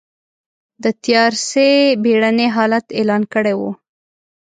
د تيارسۍ بېړنی حالت اعلان کړی و.